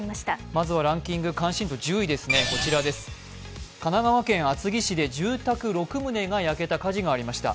まずは関心度１０位ですね、神奈川県厚木市で住宅６棟が焼けた火事がありました。